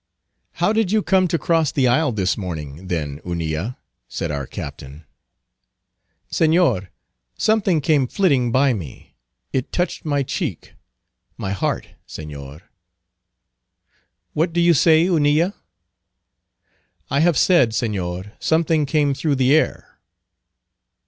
"How did you come to cross the isle this morning, then, Hunilla?" said our Captain. "Señor, something came flitting by me. It touched my cheek, my heart, Señor." "What do you say, Hunilla?" "I have said, Señor, something came through the air."